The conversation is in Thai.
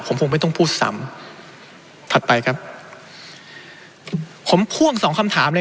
ผมคงไม่ต้องพูดซ้ำถัดไปครับผมพ่วงสองคำถามเลย